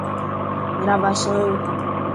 gravação